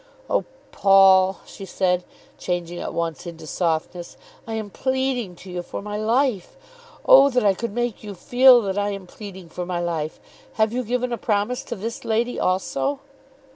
"Oh, Paul," she said, changing at once into softness, "I am pleading to you for my life. Oh, that I could make you feel that I am pleading for my life. Have you given a promise to this lady also?"